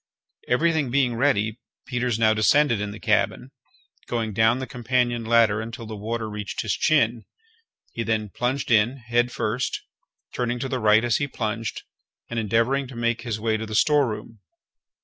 Everything being ready, Peters now descended in the cabin, going down the companion ladder until the water reached his chin. He then plunged in, head first, turning to the right as he plunged, and endeavouring to make his way to the storeroom.